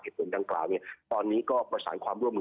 เพราะตอนเนี้ยก็ประสานความร่วม